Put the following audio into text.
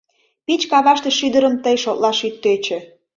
Пич каваште шӱдырым Тый шотлаш ит тӧчӧ.